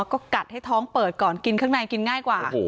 แล้วก็กัดให้ท้องเปิดก่อนกินข้างในกินง่ายกว่า